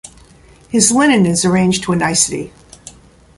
His linen is arranged to a nicety.